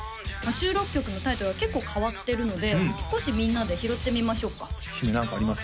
収録曲のタイトルは結構変わってるので少しみんなで拾ってみましょうか姫何かあります？